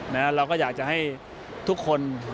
วันนี้เราต้องการทำผลงานให้ดีในเวทีเอเชีย